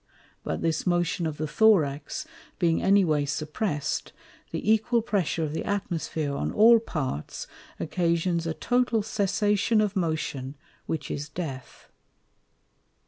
But this motion of the Thorax being any way suppress'd, the equal pressure of the Atmosphere on all parts, occasions a total Cessation of motion, which is Death.